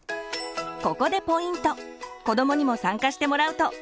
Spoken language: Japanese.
ここでポイント。